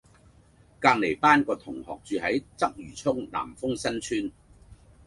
隔離班個同學住喺鰂魚涌南豐新邨